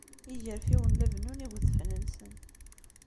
Igerfiwen la bennun igedfen-nsen.